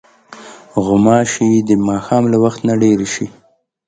غوماشې د ماښام له وخت نه ډېرې شي.